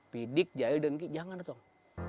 pidik jahil dengki jangan dong